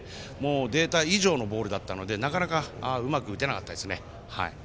データ以上のボールだったのでなかなかうまく打てなかったです。